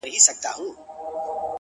ښايي زما د مرگ لپاره څه خيال وهي-